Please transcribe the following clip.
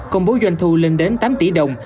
công bố doanh thu lên đến tám tỷ đồng